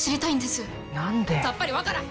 さっぱり分からへん！